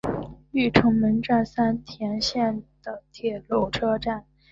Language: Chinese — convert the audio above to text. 御成门站三田线的铁路车站。